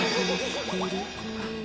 tidak ku ingin dirimu